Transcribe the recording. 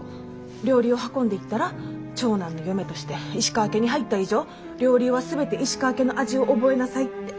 料理を運んでいったら「長男の嫁として石川家に入った以上料理は全て石川家の味を覚えなさい」って。